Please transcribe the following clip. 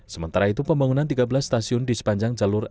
sementara itu pembangunan tiga belas stasiun di sepanjang jalur